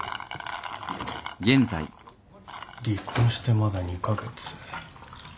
離婚してまだ２カ月。